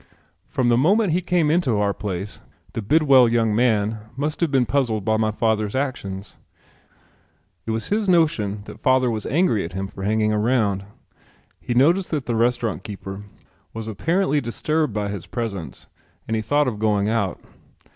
From the moment he came into our place the Bidwell young man must have been puzzled by my father's actions. It was his notion that father was angry at him for hanging around. He noticed that the restaurant keeper was apparently disturbed by his presence and he thought of going out.